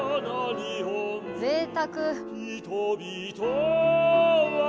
ぜいたく！